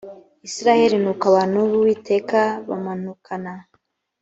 isirayeli nuko abantu b uwiteka bamanukana